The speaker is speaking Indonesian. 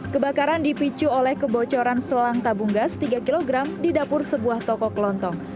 kebakaran dipicu oleh kebocoran selang tabung gas tiga kg di dapur sebuah toko kelontong